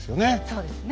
そうですね。